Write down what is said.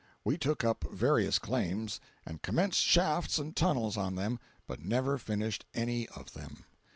We took up various claims, and commenced shafts and tunnels on them, but never finished any of them.